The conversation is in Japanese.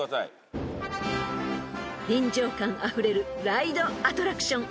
［臨場感あふれるライドアトラクション］